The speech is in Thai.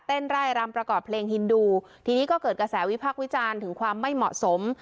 ไร่รำประกอบเพลงฮินดูทีนี้ก็เกิดกระแสวิพักษ์วิจารณ์ถึงความไม่เหมาะสม